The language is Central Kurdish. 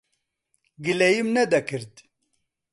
گلەییم نەدەکرد.